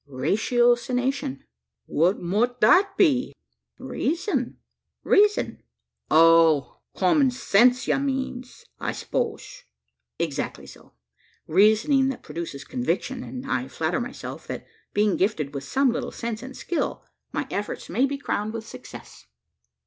"Ratiocination." "What mout that be?" "Reason reason." "Oh! common sense you mean, I s'pose?" "Exactly so reasoning that produces conviction; and, I flatter myself, that, being gifted with some little sense and skill, my efforts may be crowned with success."